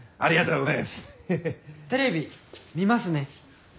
テレビ見ますね。